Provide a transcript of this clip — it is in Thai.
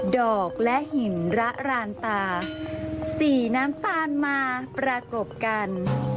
ดอกและหินระรานตาสีน้ำตาลมาประกบกัน